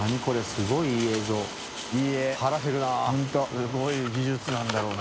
すごい技術なんだろうな